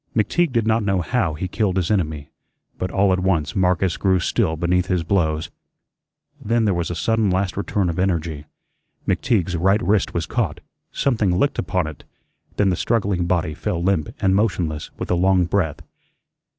McTeague did not know how he killed his enemy, but all at once Marcus grew still beneath his blows. Then there was a sudden last return of energy. McTeague's right wrist was caught, something clicked upon it, then the struggling body fell limp and motionless with a long breath.